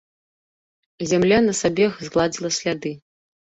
Зямля на сабе згладзіла сляды.